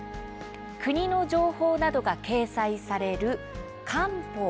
国の情報などが掲載される官報。